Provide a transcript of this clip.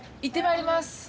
行ってまいります。